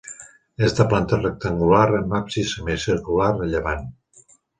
És de planta rectangular amb absis semicircular a llevant.